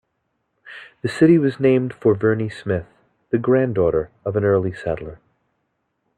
The city was named for Vernie Smith, the granddaughter of an early settler.